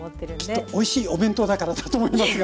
きっとおいしいお弁当だからだと思いますが。